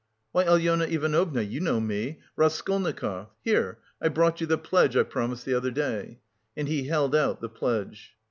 "Why, Alyona Ivanovna, you know me... Raskolnikov... here, I brought you the pledge I promised the other day..." And he held out the pledge.